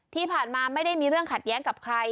ที่ผ่านมาไม่ได้มีเรื่องขัดแย้งกับใคร